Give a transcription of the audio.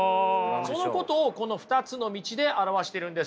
そのことをこの２つの道で表しているんです。